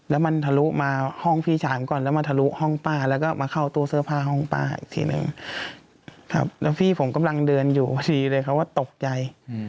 แล้วมันทะลุมาห้องพี่ฉันก่อนแล้วมาทะลุห้องป้าแล้วก็มาเข้าตู้เสื้อผ้าห้องป้าอีกทีหนึ่งครับแล้วพี่ผมกำลังเดินอยู่พอดีเลยเขาก็ตกใจ